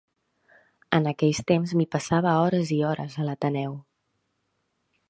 En aquells temps m'hi passava hores i hores, a l'Ateneu.